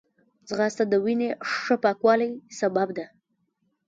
ځغاسته د وینې ښه پاکوالي سبب ده